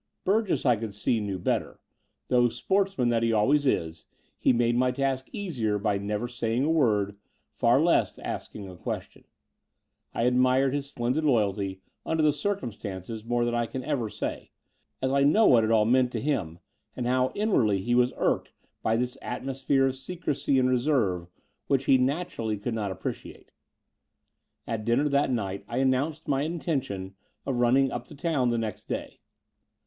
Bur gess, I could see, knew better, though, sportsman that he always is, he made my task easier by never saying a word, far less asking a question. I ad mired his splendid loyalty, imder the circum stances, more than I can ever say, as I know what it all meant to him, and how inwardly he was irked by this atmosphere of secrecy and reserve, which he naturally could not appreciate. At dinner that night I annotmced my intention of rtuming up to town the next day.